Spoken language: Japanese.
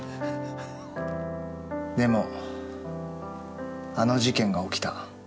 でもあの事件が起きた。